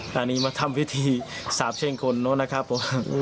ตอนนี้มาทำพิธีสาบเช่งคนนู้นนะครับผม